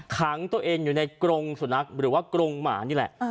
ขังตัวเองอยู่ในกรงสุนัขหรือว่ากรงหมานี่แหละ